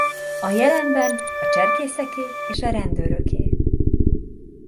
A jelenben a cserkészeké és a rendőröké.